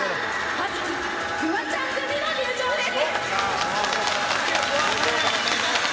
葉月・フワちゃん組の入場です。